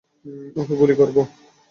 ওকে গুলি করব।